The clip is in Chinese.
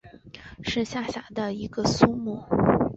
是下辖的一个苏木。